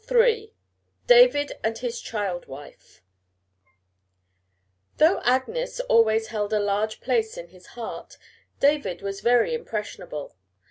III DAVID AND HIS CHILD WIFE Though Agnes always held a large place in his heart, David was very impressionable.